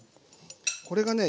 これがね